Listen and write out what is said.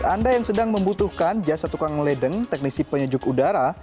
anda yang sedang membutuhkan jasa tukang ledeng teknisi penyejuk udara